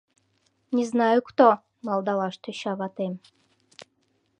— Не знаю кто, — малдалаш тӧча ватем.